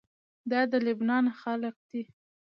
دا د لبنان خلق دي.